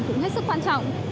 cũng hết sức quan trọng